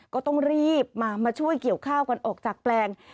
ก็ต้องรีบมาช่วยเกี่ยวข้าวกันออกจากแปลง